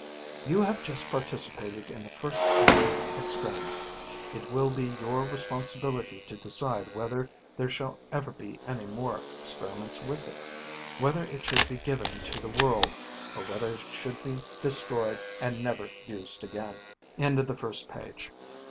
"You have just participated in the first major experiment. It will be your responsibility to decide whether there shall ever be any more experiments with it, whether it should be given to the world, or whether it should be destroyed and never used again." End of the first page.